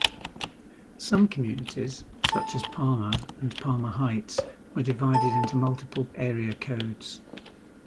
Some communities, such as Parma and Parma Heights, were divided into multiple area codes.